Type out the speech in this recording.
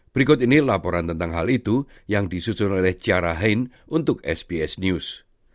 berikut ini laporan tentang hal itu yang disusun oleh kiara han untuk sbs news